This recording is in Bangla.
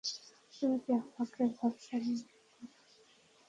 তুই কি আমাকে ধর্ষণ করিসনি নাকি?